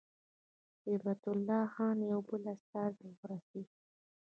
صبغت الله خان یو بل استازی ورسېدی.